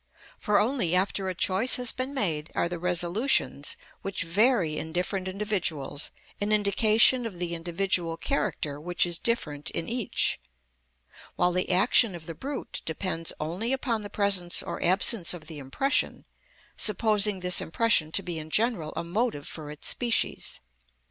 For only after a choice has been made are the resolutions, which vary in different individuals, an indication of the individual character which is different in each; while the action of the brute depends only upon the presence or absence of the impression, supposing this impression to be in general a motive for its species.